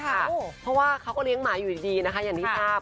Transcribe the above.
เพราะว่าเขาก็เลี้ยงหมาอยู่ดีนะคะอย่างที่ทราบ